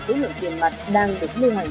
số nguồn tiền mặt đang được lưu hoành